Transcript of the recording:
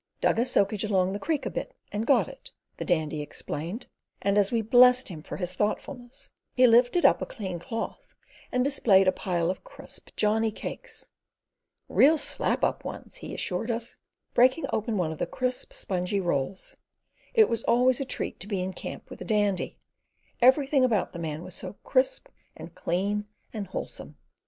"Dug a soakage along the creek a bit and got it," the Dandy explained; and as we blessed him for his thoughtfulness, he lifted up a clean cloth and displayed a pile of crisp Johnny cakes. "Real slap up ones," he assured us, breaking open one of the crisp, spongy rolls. It was always a treat to be in camp with the Dandy: everything about the man was so crisp and clean and wholesome.